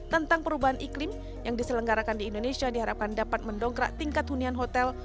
tentang perubahan iklim yang diselenggarakan di indonesia diharapkan dapat mendongkrak tingkat hunian hotel